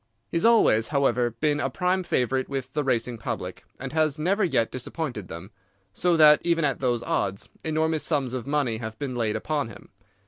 He has always, however, been a prime favourite with the racing public, and has never yet disappointed them, so that even at those odds enormous sums of money have been laid upon him.